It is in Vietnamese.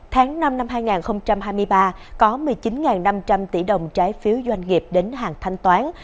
tháng năm năm hai nghìn hai mươi ba có một mươi chín năm trăm linh tỷ đồng trái phiếu doanh nghiệp đến hàng thanh toán